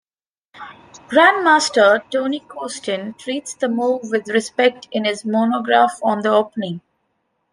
Grandmaster Tony Kosten treats the move with respect in his monograph on the opening.